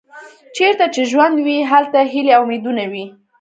چیرته چې ژوند وي هلته هیلې او امیدونه وي.